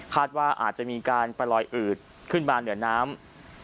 ว่าอาจจะมีการไปลอยอืดขึ้นมาเหนือน้ำ